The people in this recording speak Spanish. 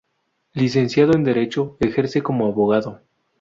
Licenciado en Derecho, ejerce como abogado.